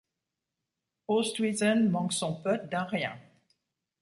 Oosthuizen manque son put d'un rien.